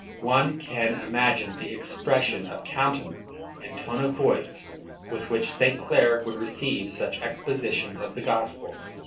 One can imagine the expression of countenance and tone of voice with which St. Clare would receive such expositions of the gospel.